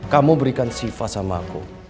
kamu berikan sifat sama aku